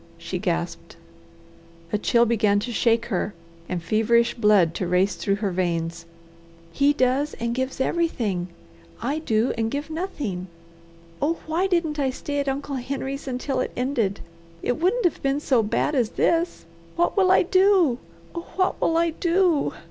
she gasped. A chill began to shake her and feverish blood to race through her veins. "He does and gives everything; I do and give nothing! Oh why didn't I stay at Uncle Henry's until it ended? It wouldn't have been so bad as this. What will I do? Oh what will I do?